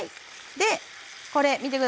でこれ見て下さい。